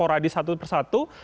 seporadi satu persatu